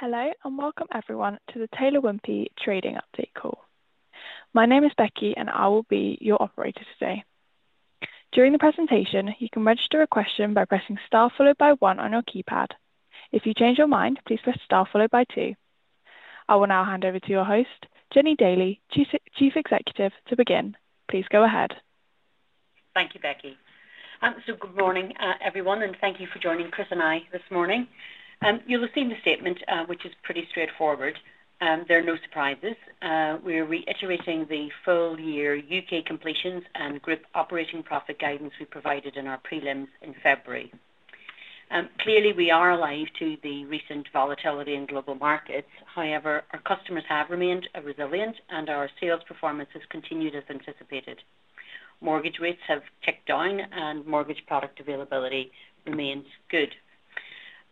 Hello and welcome everyone to the Taylor Wimpey Trading Update Call. My name is Becky, and I will be your operator today. During the presentation, you can register a question by pressing star followed by one on your keypad. If you change your mind, please press star followed by two. I will now hand over to your host, Jennie Daly, Chief Executive, to begin. Please go ahead. Thank you, Becky. Good morning, everyone, and thank you for joining Chris and I this morning. You'll have seen the statement, which is pretty straightforward. There are no surprises. We're reiterating the full year U.K. completions and group operating profit guidance we provided in our prelims in February. Clearly, we are alive to the recent volatility in global markets. However, our customers have remained resilient, and our sales performance has continued as anticipated. Mortgage rates have ticked down, and mortgage product availability remains good.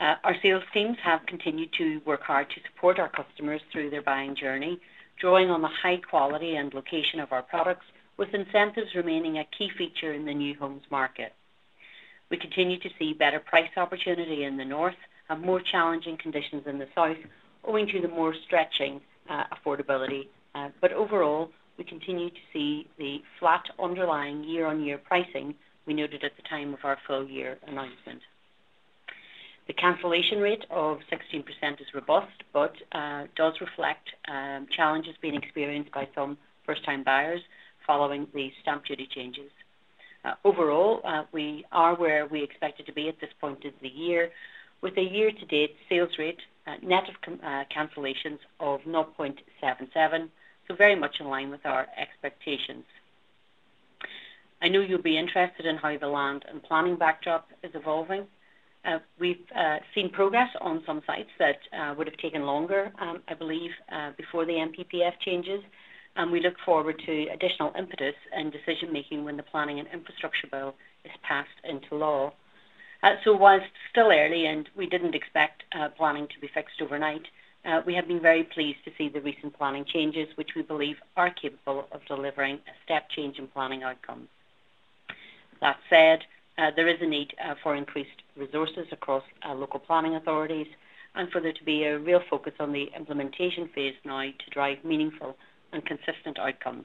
Our sales teams have continued to work hard to support our customers through their buying journey, drawing on the high quality and location of our products, with incentives remaining a key feature in the new homes market. We continue to see better price opportunity in the North and more challenging conditions in the South, owing to the more stretching affordability. Overall, we continue to see the flat underlying year-on-year pricing we noted at the time of our full year announcement. The cancellation rate of 16% is robust, but does reflect challenges being experienced by some first-time buyers following the stamp duty changes. Overall, we are where we expected to be at this point of the year, with a year-to-date sales rate net of cancellations of 0.77, very much in line with our expectations. I know you'll be interested in how the land and planning backdrop is evolving. We have seen progress on some sites that would have taken longer, I believe, before the NPPF changes. We look forward to additional impetus and decision-making when the Planning and Infrastructure Bill is passed into law. While it's still early and we didn't expect planning to be fixed overnight, we have been very pleased to see the recent planning changes, which we believe are capable of delivering a step change in planning outcomes. That said, there is a need for increased resources across local planning authorities, and for there to be a real focus on the implementation phase now to drive meaningful and consistent outcomes.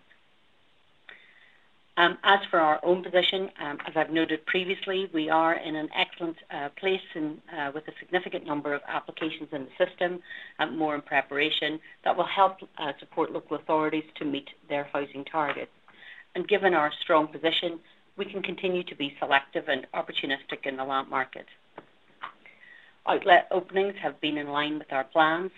As for our own position, as I've noted previously, we are in an excellent place with a significant number of applications in the system and more in preparation that will help support local authorities to meet their housing targets. Given our strong position, we can continue to be selective and opportunistic in the land market. Outlet openings have been in line with our plans.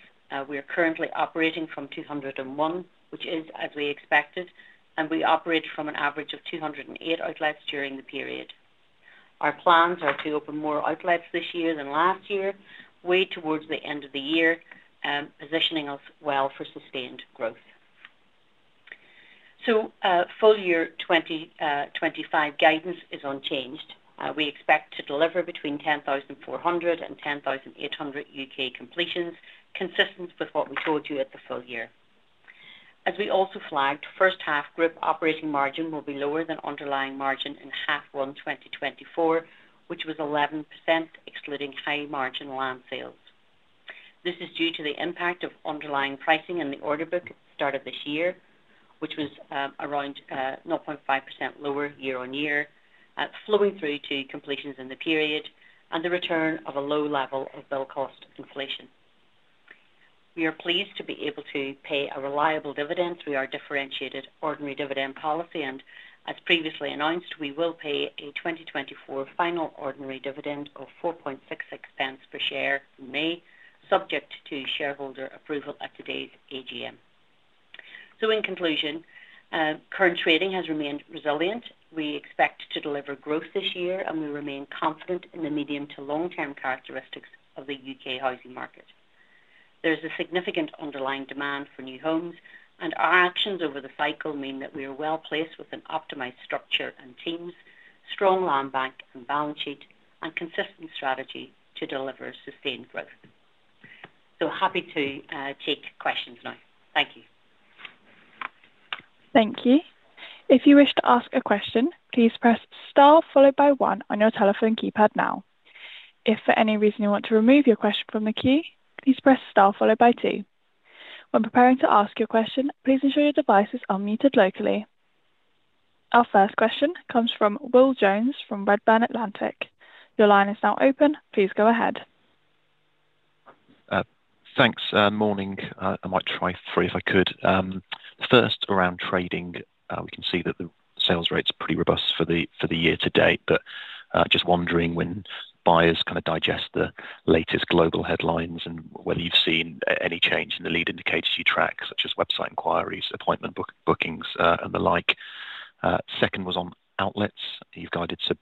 We are currently operating from 201, which is as we expected, and we operate from an average of 208 outlets during the period. Our plans are to open more outlets this year than last year, way towards the end of the year, positioning us well for sustained growth. Full year 2025 guidance is unchanged. We expect to deliver between 10,400 and 10,800 U.K. completions, consistent with what we told you at the full year. As we also flagged, first half group operating margin will be lower than underlying margin in half one 2024, which was 11%, excluding high margin land sales. This is due to the impact of underlying pricing in the order book at the start of this year, which was around 0.5% lower year-on-year, flowing through to completions in the period and the return of a low level of build cost inflation. We are pleased to be able to pay a reliable dividend through our differentiated ordinary dividend policy. As previously announced, we will pay a 2024 final ordinary dividend of $0.0466 per share in May, subject to shareholder approval at today's AGM. In conclusion, current trading has remained resilient. We expect to deliver growth this year, and we remain confident in the medium to long-term characteristics of the U.K. housing market. There is a significant underlying demand for new homes, and our actions over the cycle mean that we are well placed with an optimized structure and teams, strong land bank and balance sheet, and consistent strategy to deliver sustained growth. Happy to take questions now. Thank you. Thank you. If you wish to ask a question, please press star followed by one on your telephone keypad now. If for any reason you want to remove your question from the queue, please press star followed by two. When preparing to ask your question, please ensure your device is unmuted locally. Our first question comes from Will Jones from Redburn Atlantic. Your line is now open. Please go ahead. Thanks. Morning. I might try three if I could. First, around trading, we can see that the sales rate's pretty robust for the year to date, but just wondering when buyers kind of digest the latest global headlines and whether you've seen any change in the lead indicators you track, such as website inquiries, appointment bookings, and the like. Second was on outlets. You've guided some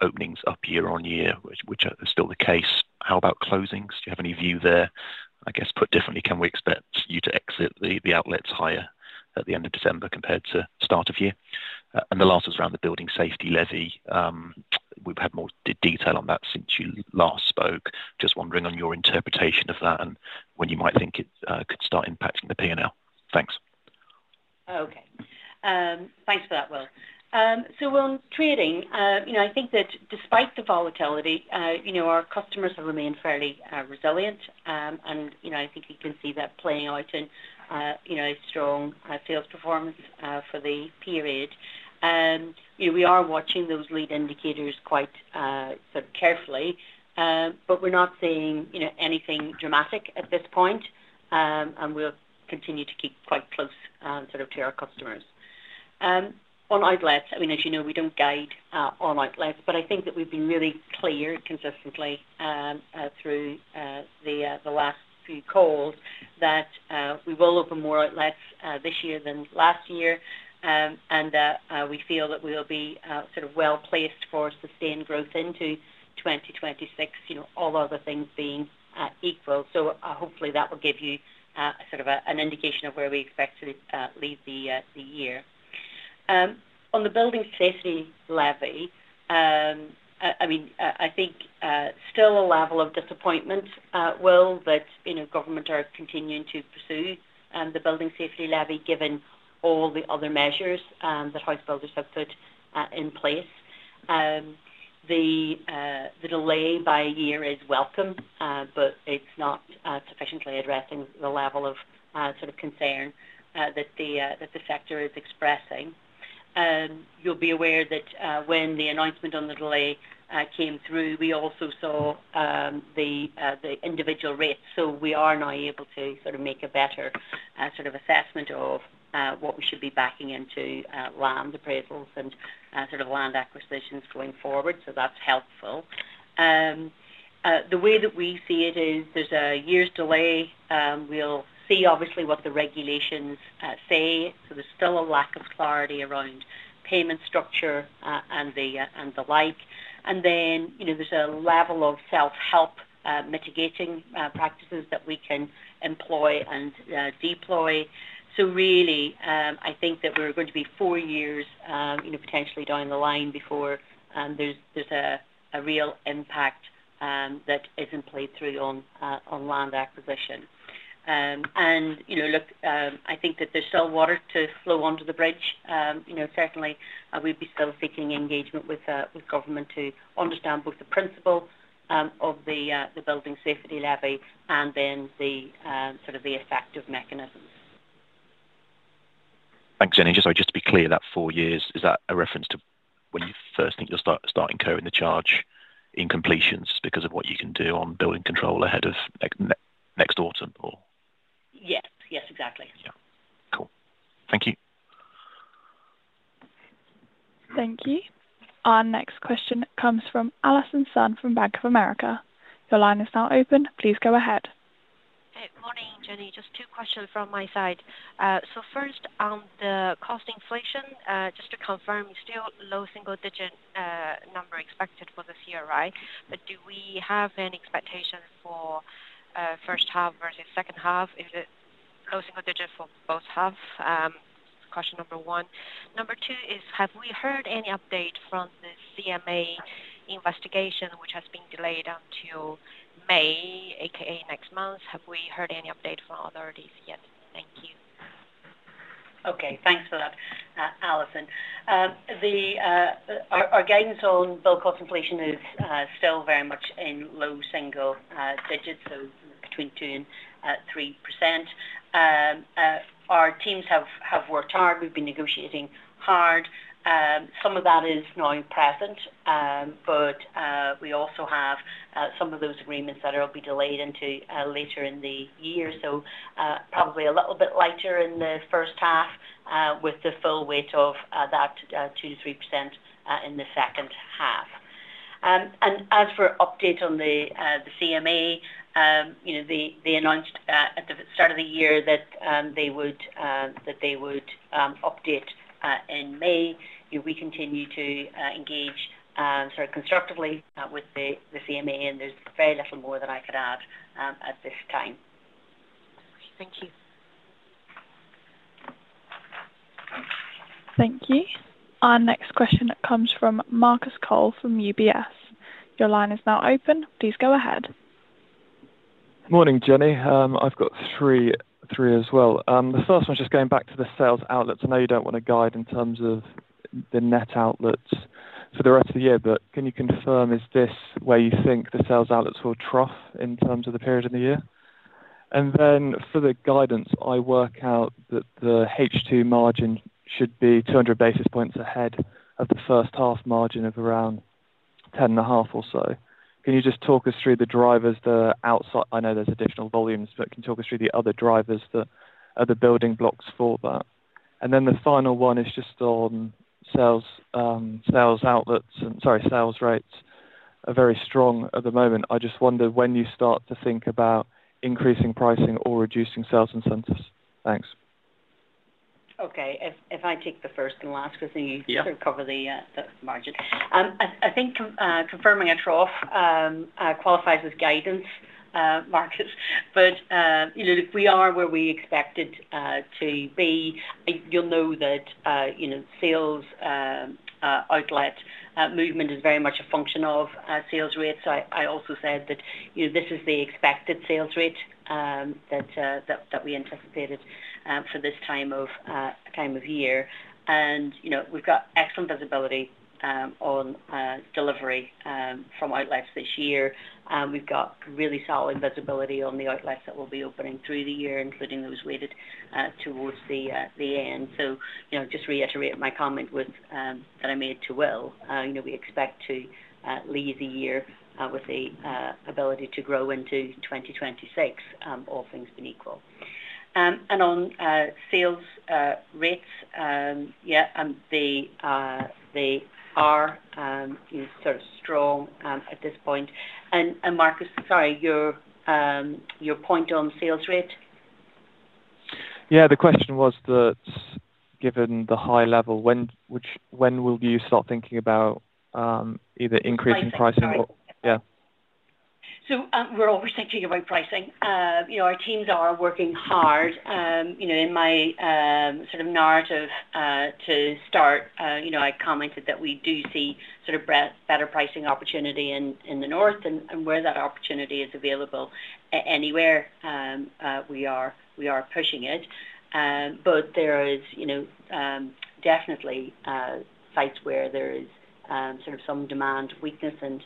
openings up year-on-year, which is still the case. How about closings? Do you have any view there? I guess put differently, can we expect you to exit the outlets higher at the end of December compared to start of year? The last was around the Building Safety Levy. We've had more detail on that since you last spoke. Just wondering on your interpretation of that and when you might think it could start impacting the P&L. Thanks. Okay. Thanks for that, Will. On trading, I think that despite the volatility, our customers have remained fairly resilient, and I think you can see that playing out in strong sales performance for the period. We are watching those lead indicators quite carefully, but we're not seeing anything dramatic at this point, and we'll continue to keep quite close to our customers. On outlets, I mean, as you know, we don't guide on outlets, but I think that we've been really clear consistently through the last few calls that we will open more outlets this year than last year, and that we feel that we'll be sort of well placed for sustained growth into 2026, all other things being equal. Hopefully that will give you sort of an indication of where we expect to leave the year. On the Building Safety Levy, I mean, I think still a level of disappointment, Will, that government are continuing to pursue the Building Safety Levy given all the other measures that housebuilders have put in place. The delay by a year is welcome, but it's not sufficiently addressing the level of sort of concern that the sector is expressing. You'll be aware that when the announcement on the delay came through, we also saw the individual rates. We are now able to sort of make a better sort of assessment of what we should be backing into land appraisals and sort of land acquisitions going forward. That's helpful. The way that we see it is there's a year's delay. We'll see, obviously, what the regulations say. There's still a lack of clarity around payment structure and the like. There is a level of self-help mitigating practices that we can employ and deploy. I think that we are going to be four years potentially down the line before there is a real impact that is not played through on land acquisition. I think that there is still water to flow under the bridge. Certainly, we would still be seeking engagement with government to understand both the principle of the Building Safety Levy and the effective mechanisms. Thanks, Jennie. Just to be clear, that four years, is that a reference to when you first think you'll start incurring the charge in completions because of what you can do on building control ahead of next autumn? Yes. Yes, exactly. Yeah. Cool. Thank you. Thank you. Our next question comes from Allison Sun from Bank of America. Your line is now open. Please go ahead. Good morning, Jennie. Just two questions from my side. First, on the cost inflation, just to confirm, still low single-digit number expected for this year, right? Do we have an expectation for first half versus second half? Is it low single digit for both halves? Question number one. Number two is, have we heard any update from the CMA investigation, which has been delayed until May, aka next month? Have we heard any update from authorities yet? Thank you. Okay. Thanks for that, Alison. Our guidance on build cost inflation is still very much in low single digits, so between 2-3%. Our teams have worked hard. We've been negotiating hard. Some of that is now present, but we also have some of those agreements that will be delayed into later in the year. Probably a little bit lighter in the first half with the full weight of that 2-3% in the second half. As for update on the CMA, they announced at the start of the year that they would update in May. We continue to engage sort of constructively with the CMA, and there's very little more that I could add at this time. Thank you. Thank you. Our next question comes from Marcus Cole from UBS. Your line is now open. Please go ahead. Morning, Jennie. I've got three as well. The first one's just going back to the sales outlets. I know you don't want to guide in terms of the net outlets for the rest of the year, but can you confirm is this where you think the sales outlets will trough in terms of the period of the year? For the guidance, I work out that the H2 margin should be 200 basis points ahead of the first half margin of around 10.5 or so. Can you just talk us through the drivers that are outside? I know there's additional volumes, but can you talk us through the other drivers that are the building blocks for that? The final one is just on sales outlets and, sorry, sales rates are very strong at the moment. I just wonder when you start to think about increasing pricing or reducing sales incentives. Thanks. Okay. If I take the first and last question, you sort of cover the margin. I think confirming a trough qualifies as guidance markets, but if we are where we expected to be, you'll know that sales outlet movement is very much a function of sales rate. I also said that this is the expected sales rate that we anticipated for this time of year. We've got excellent visibility on delivery from outlets this year. We've got really solid visibility on the outlets that will be opening through the year, including those weighted towards the end. Just reiterate my comment that I made to Will. We expect to leave the year with the ability to grow into 2026, all things being equal. On sales rates, yeah, they are sort of strong at this point. Marcus, sorry, your point on sales rate? Yeah. The question was that given the high level, when will you start thinking about either increasing pricing or? We're always thinking about pricing. Our teams are working hard. In my sort of narrative to start, I commented that we do see sort of better pricing opportunity in the North, and where that opportunity is available anywhere, we are pushing it. There are definitely sites where there is sort of some demand weakness, and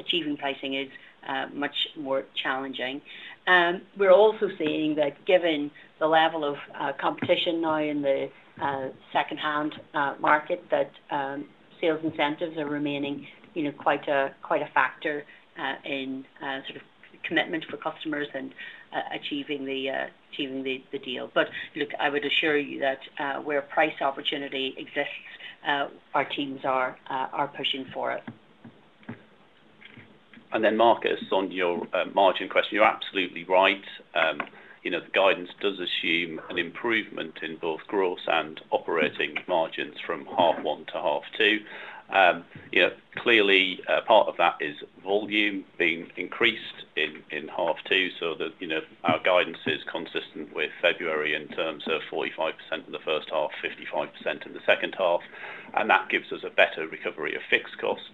achieving pricing is much more challenging. We're also seeing that given the level of competition now in the second-hand market, sales incentives are remaining quite a factor in sort of commitment for customers and achieving the deal. I would assure you that where price opportunity exists, our teams are pushing for it. Marcus, on your margin question, you're absolutely right. The guidance does assume an improvement in both gross and operating margins from half one to half two. Clearly, part of that is volume being increased in half two so that our guidance is consistent with February in terms of 45% in the first half, 55% in the second half. That gives us a better recovery of fixed costs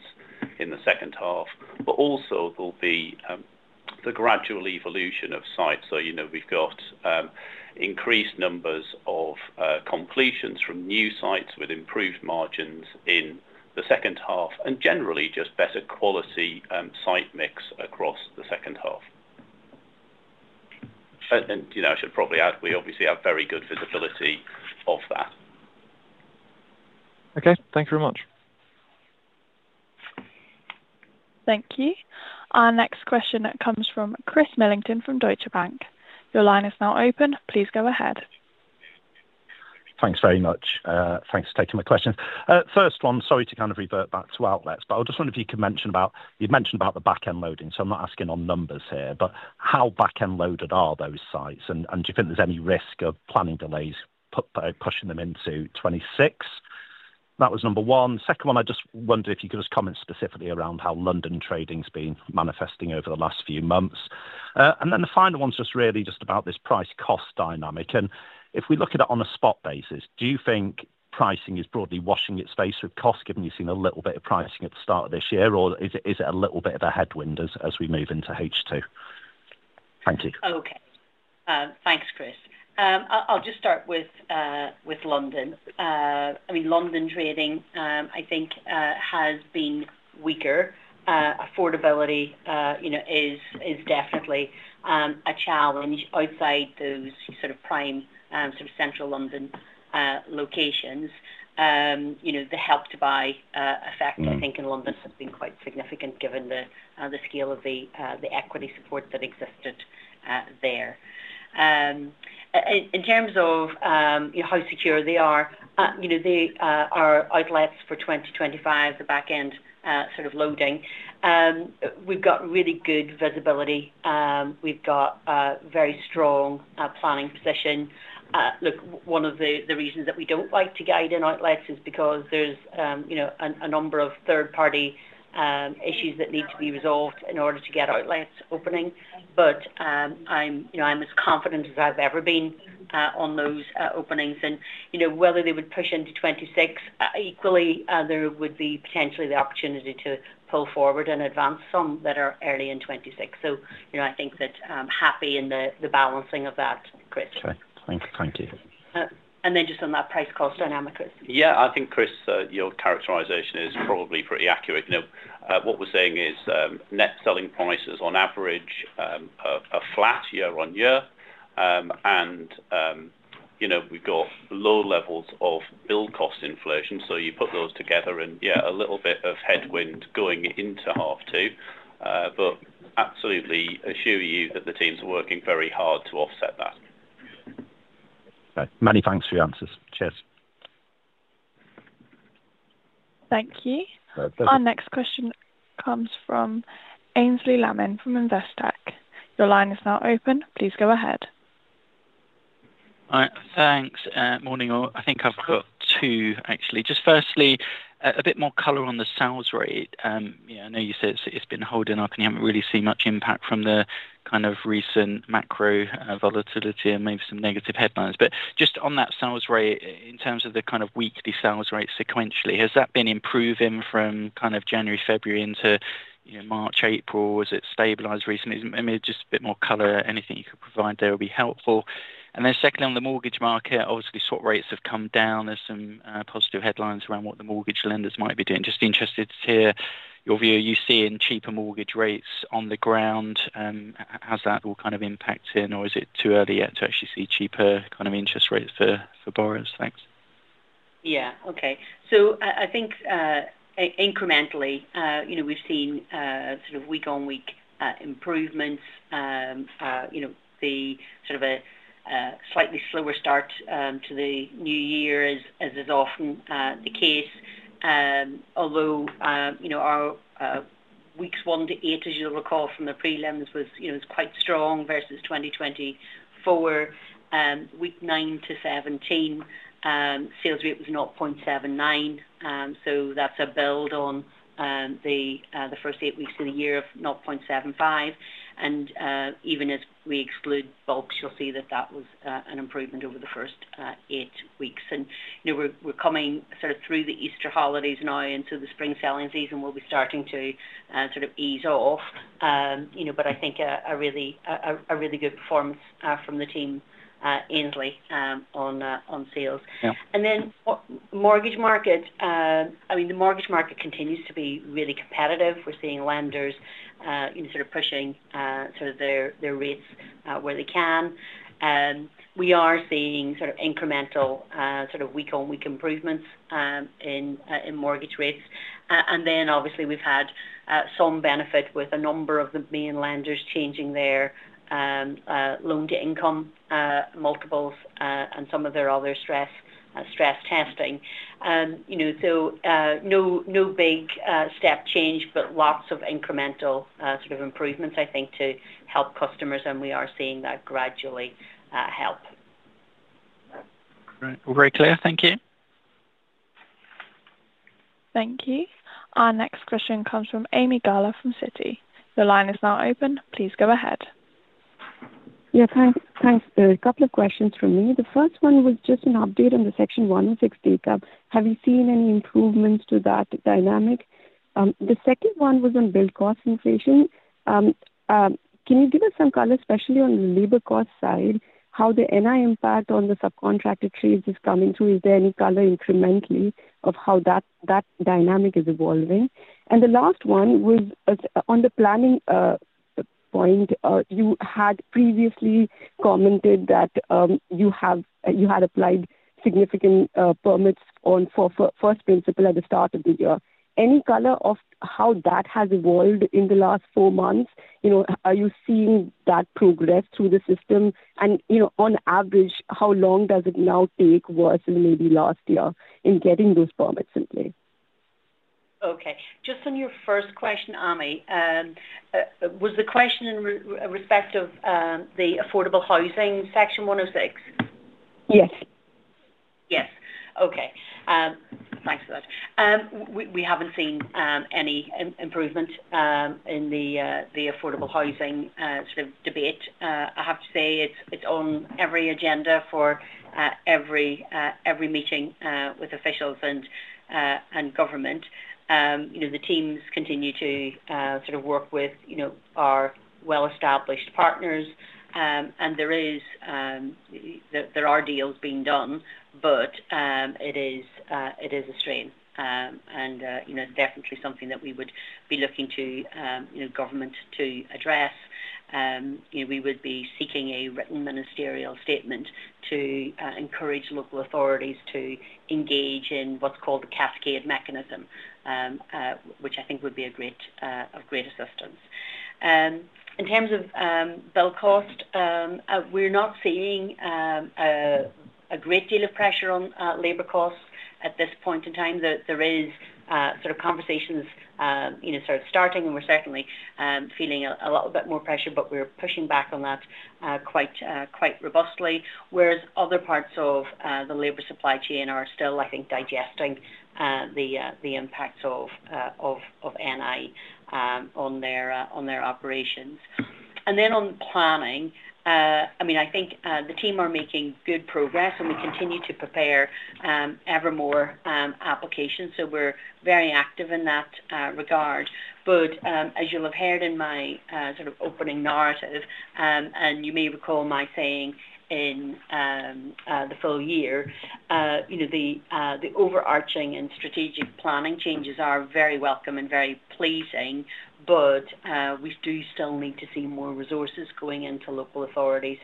in the second half. There will be the gradual evolution of sites. We have increased numbers of completions from new sites with improved margins in the second half, and generally just better quality site mix across the second half. I should probably add, we obviously have very good visibility of that. Okay. Thanks very much. Thank you. Our next question comes from Chris Millington from Deutsche Bank. Your line is now open. Please go ahead. Thanks very much. Thanks for taking my questions. First one, sorry to kind of revert back to outlets, but I just wondered if you could mention about you'd mentioned about the backend loading, so I'm not asking on numbers here, but how backend loaded are those sites? Do you think there's any risk of planning delays pushing them into 2026? That was number one. Second one, I just wondered if you could just comment specifically around how London trading's been manifesting over the last few months. The final one's just really just about this price-cost dynamic. If we look at it on a spot basis, do you think pricing is broadly washing its face with cost, given you've seen a little bit of pricing at the start of this year, or is it a little bit of a headwind as we move into H2? Thank you. Okay. Thanks, Chris. I'll just start with London. I mean, London trading, I think, has been weaker. Affordability is definitely a challenge outside those sort of prime sort of central London locations. The Help-to-Buy effect, I think, in London has been quite significant given the scale of the equity support that existed there. In terms of how secure they are, they are outlets for 2025, the backend sort of loading. We've got really good visibility. We've got a very strong planning position. Look, one of the reasons that we don't like to guide in outlets is because there's a number of third-party issues that need to be resolved in order to get outlets opening. I'm as confident as I've ever been on those openings. Whether they would push into 2026, equally, there would be potentially the opportunity to pull forward and advance some that are early in 2026. I think that I'm happy in the balancing of that, Chris. Okay. Thank you. Just on that price-cost dynamic, Chris? Yeah. I think, Chris, your characterisation is probably pretty accurate. What we're seeing is net selling prices on average are flat year on year, and we've got low levels of build cost inflation. You put those together and, yeah, a little bit of headwind going into half two, but absolutely assure you that the teams are working very hard to offset that. Okay. Many thanks for your answers. Cheers. Thank you. Our next question comes from Aynsley Lammin from Investec. Your line is now open. Please go ahead. All right. Thanks. Morning. I think I've got two, actually. Just firstly, a bit more color on the sales rate. I know you said it's been holding up, and you haven't really seen much impact from the kind of recent macro volatility and maybe some negative headlines. Just on that sales rate, in terms of the kind of weekly sales rate sequentially, has that been improving from kind of January, February into March, April? Has it stabilized recently? Maybe just a bit more color. Anything you could provide there would be helpful. Secondly, on the mortgage market, obviously, swap rates have come down. There's some positive headlines around what the mortgage lenders might be doing. Just interested to hear your view. Are you seeing cheaper mortgage rates on the ground? How's that all kind of impacting, or is it too early yet to actually see cheaper kind of interest rates for borrowers? Thanks. Yeah. Okay. I think incrementally, we've seen sort of week-on-week improvements. The sort of a slightly slower start to the new year is often the case. Although our weeks one to eight, as you'll recall from the prelims, was quite strong versus 2024. Week nine to seventeen, sales rate was 0.79. That's a build on the first eight weeks of the year of 0.75. Even as we exclude bulks, you'll see that that was an improvement over the first eight weeks. We're coming sort of through the Easter holidays now, and the spring selling season will be starting to sort of ease off. I think a really good performance from the team, Ainsley, on sales. I mean, the mortgage market continues to be really competitive. We're seeing lenders sort of pushing sort of their rates where they can. We are seeing incremental sort of week-on-week improvements in mortgage rates. Obviously, we've had some benefit with a number of the main lenders changing their loan-to-income multiples and some of their other stress testing. No big step change, but lots of incremental improvements, I think, to help customers, and we are seeing that gradually help. Great. Very clear. Thank you. Thank you. Our next question comes from Ami Galla from Citigroup. Your line is now open. Please go ahead. Yeah. Thanks. A couple of questions from me. The first one was just an update on the Section 106 data. Have you seen any improvements to that dynamic? The second one was on build cost inflation. Can you give us some color, especially on the labor cost side, how the NI impact on the subcontracted trades is coming through? Is there any color incrementally of how that dynamic is evolving? The last one was on the planning point. You had previously commented that you had applied significant permits on first principle at the start of the year. Any color of how that has evolved in the last four months? Are you seeing that progress through the system? On average, how long does it now take versus maybe last year in getting those permits in place? Okay. Just on your first question, Amy, was the question in respect of the affordable housing Section 106? Yes. Yes. Okay. Thanks for that. We have not seen any improvement in the affordable housing sort of debate. I have to say it is on every agenda for every meeting with officials and government. The teams continue to sort of work with our well-established partners, and there are deals being done, but it is a strain. It is definitely something that we would be looking to government to address. We would be seeking a written ministerial statement to encourage local authorities to engage in what is called the cascade mechanism, which I think would be of great assistance. In terms of build cost, we are not seeing a great deal of pressure on labor costs at this point in time. There are sort of conversations starting, and we are certainly feeling a little bit more pressure, but we are pushing back on that quite robustly. Whereas other parts of the labor supply chain are still, I think, digesting the impacts of NI on their operations. On planning, I mean, I think the team are making good progress, and we continue to prepare ever more applications. We are very active in that regard. As you will have heard in my sort of opening narrative, and you may recall my saying in the full year, the overarching and strategic planning changes are very welcome and very pleasing, but we do still need to see more resources going into local authorities.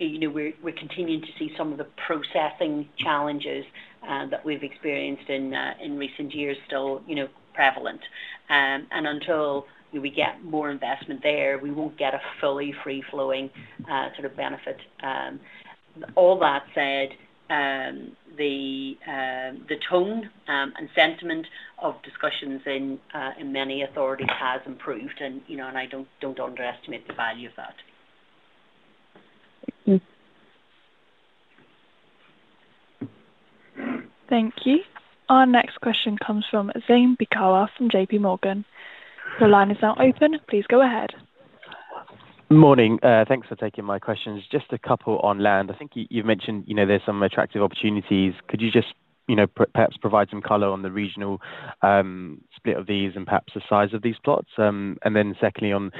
We are continuing to see some of the processing challenges that we have experienced in recent years still prevalent. Until we get more investment there, we will not get a fully free-flowing sort of benefit. All that said, the tone and sentiment of discussions in many authorities has improved, and I do not underestimate the value of that. Thank you. Our next question comes from Zain Beekawa from JP Morgan. Your line is now open. Please go ahead. Morning. Thanks for taking my questions. Just a couple on land. I think you've mentioned there's some attractive opportunities. Could you just perhaps provide some color on the regional split of these and perhaps the size of these plots? Then secondly, on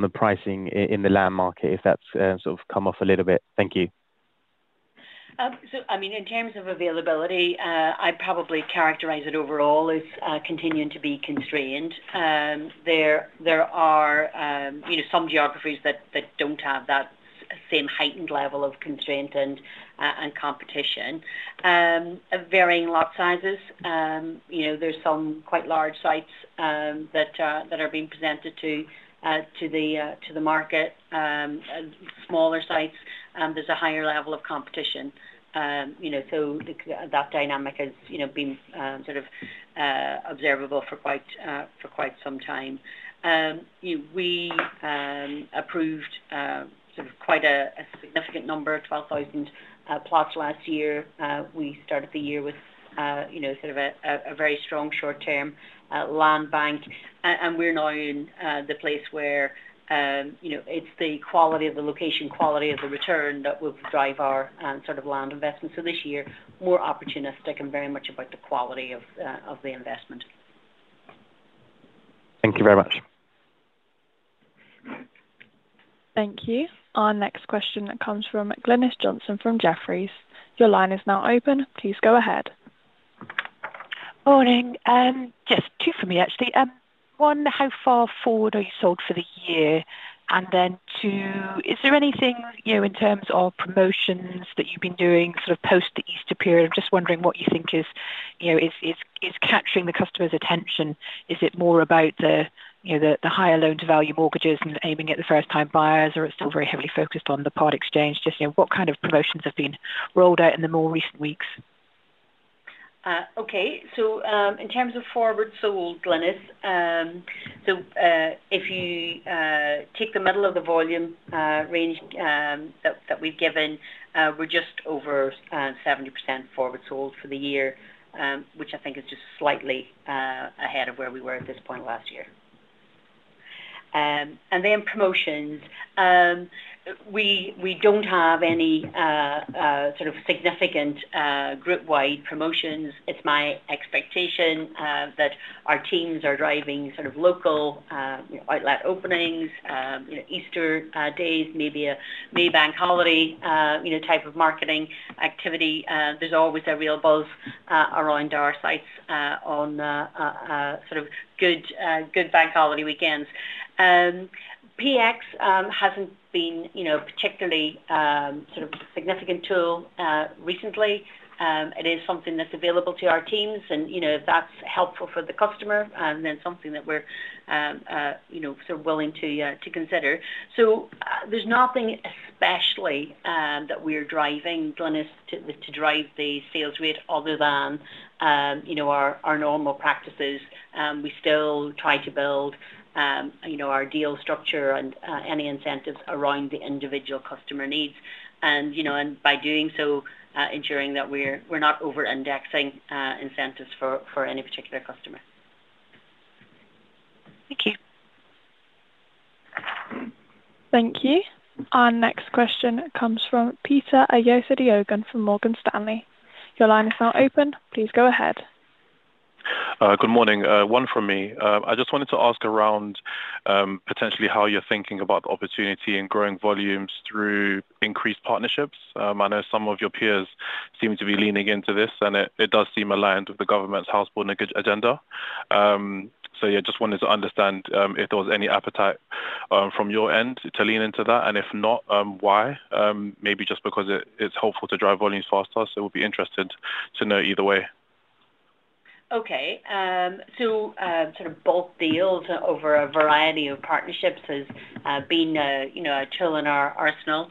the pricing in the land market, if that's sort of come off a little bit. Thank you. I mean, in terms of availability, I'd probably characterize it overall as continuing to be constrained. There are some geographies that don't have that same heightened level of constraint and competition. Varying lot sizes. There are some quite large sites that are being presented to the market. Smaller sites, there's a higher level of competition. That dynamic has been sort of observable for quite some time. We approved quite a significant number, 12,000 plots last year. We started the year with a very strong short-term land bank. We're now in the place where it's the quality of the location, quality of the return that will drive our land investment. This year, more opportunistic and very much about the quality of the investment. Thank you very much. Thank you. Our next question comes from Glynis Johnson from Jefferies. Your line is now open. Please go ahead. Morning. Yes. Two for me, actually. One, how far forward are you sold for the year? Then two, is there anything in terms of promotions that you've been doing sort of post the Easter period? I'm just wondering what you think is capturing the customer's attention. Is it more about the higher loan-to-value mortgages and aiming at the first-time buyers, or it's still very heavily focused on the part exchange? Just what kind of promotions have been rolled out in the more recent weeks? Okay. In terms of forward sold, Glynis, if you take the middle of the volume range that we've given, we're just over 70% forward sold for the year, which I think is just slightly ahead of where we were at this point last year. Promotions, we don't have any sort of significant group-wide promotions. It's my expectation that our teams are driving sort of local outlet openings, Easter days, maybe a May bank holiday type of marketing activity. There's always a real buzz around our sites on good bank holiday weekends. PX hasn't been a particularly significant tool recently. It is something that's available to our teams, and that's helpful for the customer, and something that we're willing to consider. There's nothing especially that we're driving, Glynis, to drive the sales rate other than our normal practices. We still try to build our deal structure and any incentives around the individual customer needs. By doing so, ensuring that we're not over-indexing incentives for any particular customer. Thank you. Thank you. Our next question comes from Peter Otto from Morgan Stanley. Your line is now open. Please go ahead. Good morning. One from me. I just wanted to ask around potentially how you're thinking about the opportunity in growing volumes through increased partnerships. I know some of your peers seem to be leaning into this, and it does seem aligned with the government's household agenda. Yeah, just wanted to understand if there was any appetite from your end to lean into that. If not, why? Maybe just because it's helpful to drive volumes faster, so we'd be interested to know either way. Okay. Sort of bulk deals over a variety of partnerships has been a tool in our arsenal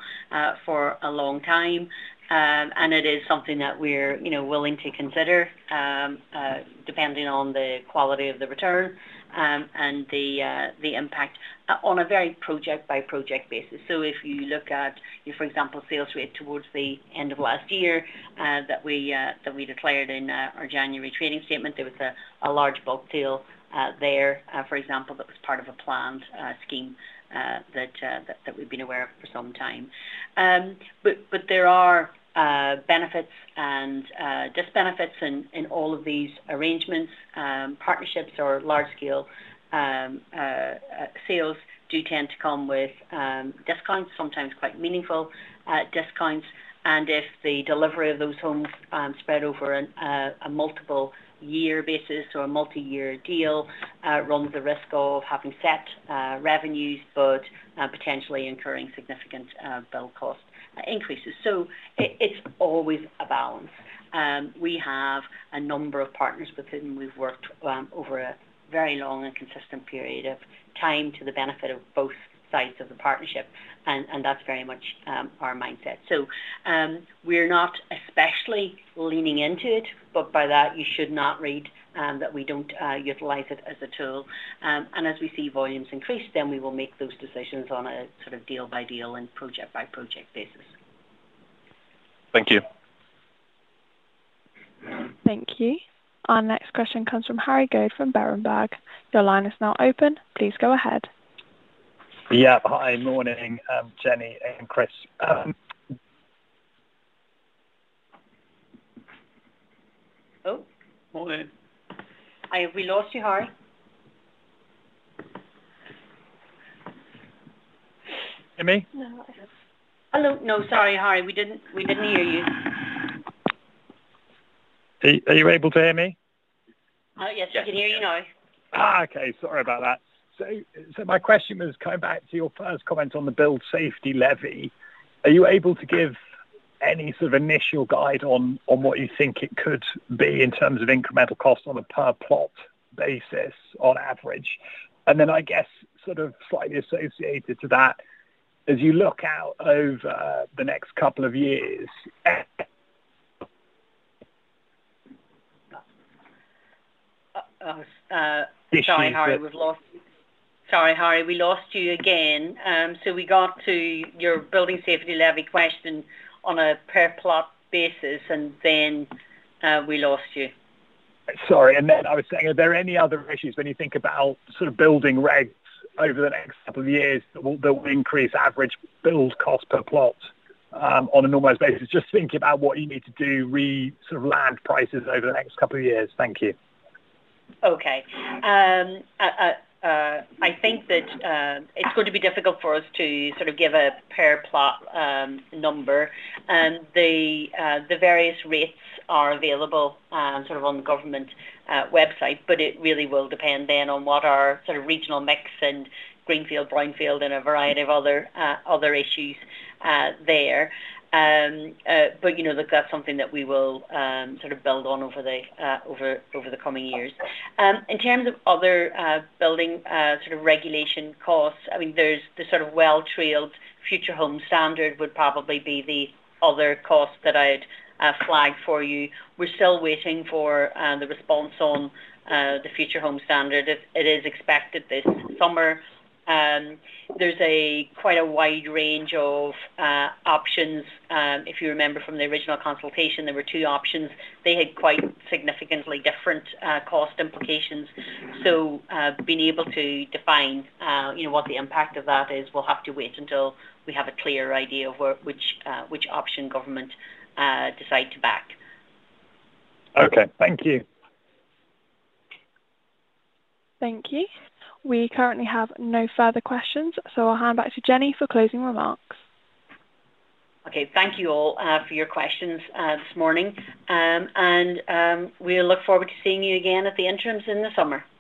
for a long time. It is something that we're willing to consider depending on the quality of the return and the impact on a very project-by-project basis. If you look at, for example, sales rate towards the end of last year that we declared in our January trading statement, there was a large bulk deal there, for example, that was part of a planned scheme that we've been aware of for some time. There are benefits and disbenefits in all of these arrangements. Partnerships or large-scale sales do tend to come with discounts, sometimes quite meaningful discounts. If the delivery of those homes spread over a multiple-year basis or a multi-year deal, it runs the risk of having set revenues but potentially incurring significant build cost increases. It is always a balance. We have a number of partners with whom we have worked over a very long and consistent period of time to the benefit of both sides of the partnership, and that is very much our mindset. We are not especially leaning into it, but by that, you should not read that we do not utilize it as a tool. As we see volumes increase, then we will make those decisions on a sort of deal-by-deal and project-by-project basis. Thank you. Thank you. Our next question comes from Harry Goad from Berenberg. Your line is now open. Please go ahead. Yeah. Hi. Morning, Jennie and Chris. Oh. Morning. Hi. We lost you, Harry. Amy? Hello. No, sorry, Harry. We didn't hear you. Are you able to hear me? Yes. We can hear you now. Sorry about that. My question was coming back to your first comment on the Building Safety Levy. Are you able to give any sort of initial guide on what you think it could be in terms of incremental cost on a per-plot basis on average? I guess sort of slightly associated to that, as you look out over the next couple of years. Sorry, Harry. We lost you again. We got to your Building Safety Levy question on a per-plot basis, and then we lost you. Sorry. I was saying, are there any other issues when you think about sort of building regs over the next couple of years that will increase average build cost per plot on a normalised basis? Just think about what you need to do re-sort of land prices over the next couple of years. Thank you. Okay. I think that it's going to be difficult for us to sort of give a per-plot number. The various rates are available sort of on the government website, but it really will depend then on what our sort of regional mix and Greenfield, Brownfield, and a variety of other issues there. That's something that we will sort of build on over the coming years. In terms of other building sort of regulation costs, I mean, the sort of well-trailed Future Homes Standard would probably be the other cost that I'd flag for you. We're still waiting for the response on the Future Homes Standard. It is expected this summer. There's quite a wide range of options. If you remember from the original consultation, there were two options. They had quite significantly different cost implications. Being able to define what the impact of that is, we'll have to wait until we have a clear idea of which option government decides to back. Okay. Thank you. Thank you. We currently have no further questions, so I'll hand back to Jennie for closing remarks. Thank you all for your questions this morning. We look forward to seeing you again at the interims in the summer.